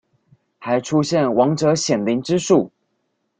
還出現亡者顯靈之術